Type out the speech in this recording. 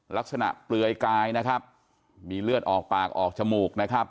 เปลือยกายนะครับมีเลือดออกปากออกจมูกนะครับ